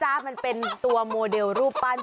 มันเป็นตัวโมเดลรูปปั้น